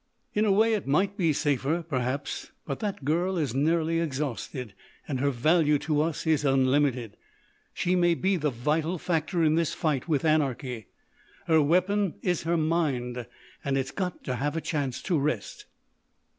"In a way it might be safer, perhaps. But that girl is nearly exhausted. And her value to us is unlimited. She may be the vital factor in this fight with anarchy. Her weapon is her mind. And it's got to have a chance to rest."